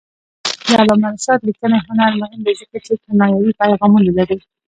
د علامه رشاد لیکنی هنر مهم دی ځکه چې کنایوي پیغامونه لري.